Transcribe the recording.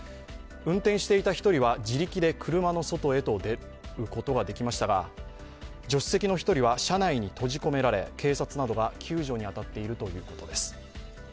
運転していた１人は自力で車の外へと出ることができましたが助手席の１人は車内に閉じ込められ警察などが救助に当たっているということです。